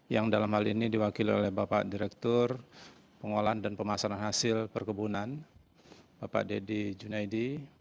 yang dalam hal ini diwakili oleh bapak direktur pengolahan dan pemasaran hasil perkebunan bapak deddy junaidi